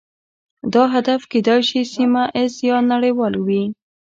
دا هدف کیدای شي سیمه ایز یا نړیوال وي